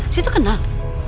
si itu kenal